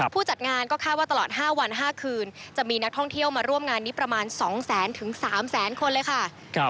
จัดงานก็คาดว่าตลอด๕วัน๕คืนจะมีนักท่องเที่ยวมาร่วมงานนี้ประมาณ๒แสนถึง๓แสนคนเลยค่ะ